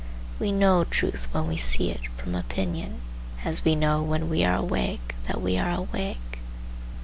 We know truth when we see it, from opinion, as we know when we are awake that we are awake.